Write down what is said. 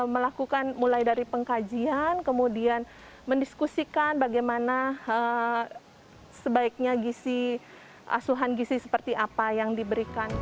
melakukan mulai dari pengkajian kemudian mendiskusikan bagaimana sebaiknya asuhan gisi seperti apa yang diberikan